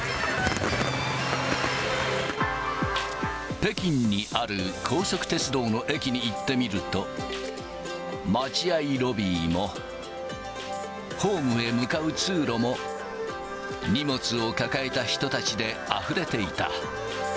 北京にある高速鉄道の駅に行ってみると、待合ロビーも、ホームへ向かう通路も、荷物を抱えた人たちであふれていた。